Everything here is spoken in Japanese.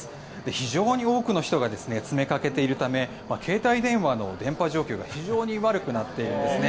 非常に多くの人が詰めかけているため携帯電話の電波状況が非常に悪くなっているんですね。